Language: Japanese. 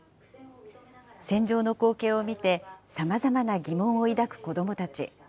戦場の光景を見て、さまざまな疑問を抱く子どもたち。